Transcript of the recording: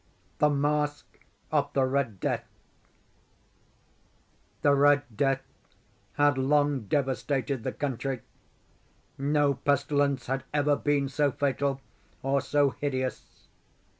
THE MASQUE OF THE RED DEATH. The "Red Death" had long devastated the country. No pestilence had ever been so fatal, or so hideous.